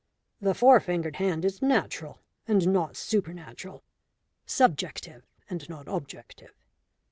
The four fingered hand is natural and not supernatural, subjective and not objective."